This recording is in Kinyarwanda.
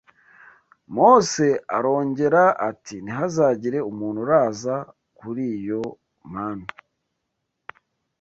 Mose arongera ati ntihazagire umuntu uraza kuri iyo manu